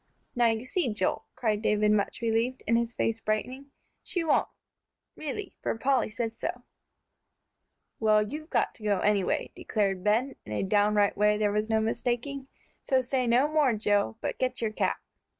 "Now you see, Joel," cried David, much relieved, and his face brightening, "she won't, really, for Polly says so." "Well, you've got to go anyway," declared Ben, in a downright way there was no mistaking. "So say no more, Joe, but get your cap."